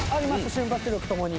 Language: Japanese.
瞬発力ともに。